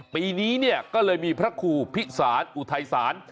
ปีนี้ก็เลยมีพระคู่พิสารอุทัยสาร